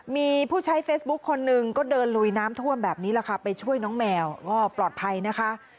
มีผู้ใช้เฟซบุ๊คคนหนึ่งก็เดินลุยน้ำท่วมแบบนี้แหละค่ะไปช่วยน้องแมวก็ปลอดภัยนะคะ